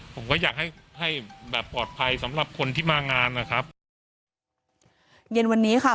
ผมก็อยากให้ให้แบบปลอดภัยสำหรับคนที่มางานนะครับเย็นวันนี้ค่ะ